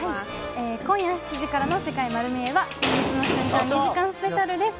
今夜７時からの『世界まる見え！』は戦慄の瞬間２時間スペシャルです。